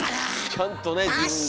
ちゃんとね自分で。